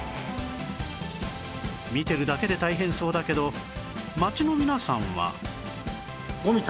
見てるだけで大変そうだけど町の皆さんは